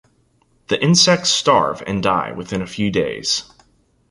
The insects starve and die within a few days.